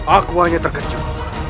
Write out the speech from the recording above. aku hanya terkejut